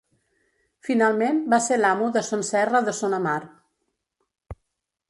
Finalment va ser l'amo de Son Serra de Son Amar.